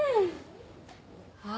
あっ！